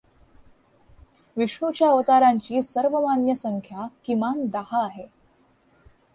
विष्णूच्या अवतारांची सर्वमान्य संख्या किमान दहा आहे.